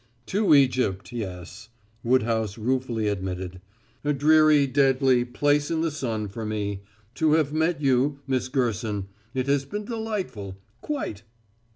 "To Egypt, yes," Woodhouse ruefully admitted. "A dreary deadly 'place in the sun' for me. To have met you, Miss Gerson; it has been delightful, quite."